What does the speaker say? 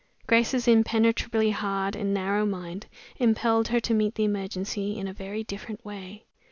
Grace's impenetrably hard and narrow mind impelled her to meet the emergency in a very different way.